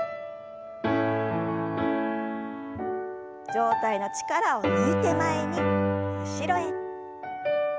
上体の力を抜いて前に後ろへ。